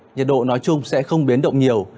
nhiệt độ nói chung sẽ không biến động nhiều